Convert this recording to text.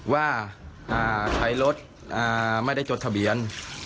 ว่าใช้รถไม่ได้จดทะเบียน